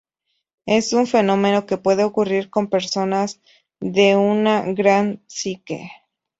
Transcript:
Es un fenómeno que puede ocurrir con personas de una gran psique.